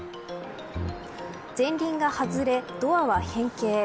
前輪が外れドアは変形。